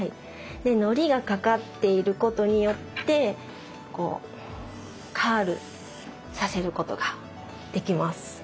糊がかかっていることによってこうカールさせることができます。